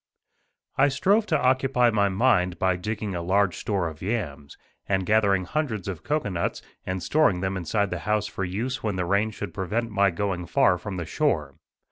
* I strove to occupy my mind by digging a large store of yams, and gathering hundreds of cocoanuts, and storing them inside the house for use when the rain should prevent my going far from the shore.